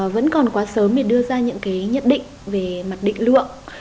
vẫn còn quá sớm để đưa ra những cái nhận định về mặt định lượng